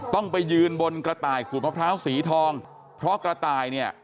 ต้องไปยืนบนกระต่ายขูดมะพร้าวสีทองเพราะกระต่ายเนี่ย